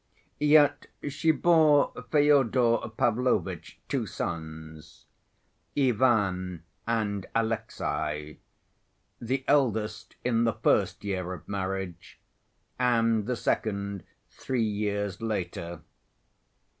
Yet she bore Fyodor Pavlovitch two sons, Ivan and Alexey, the eldest in the first year of marriage and the second three years later.